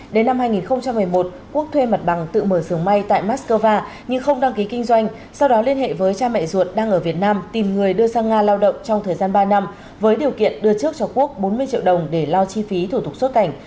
đến năm hai nghìn một mươi một quốc thuê mặt bằng tự mở sưởng may tại moscow nhưng không đăng ký kinh doanh sau đó liên hệ với cha mẹ ruột đang ở việt nam tìm người đưa sang nga lao động trong thời gian ba năm với điều kiện đưa trước cho quốc bốn mươi triệu đồng để lo chi phí thủ tục xuất cảnh